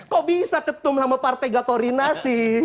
kok bisa ketum sama partai gak koordinasi